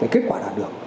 kết quả đạt được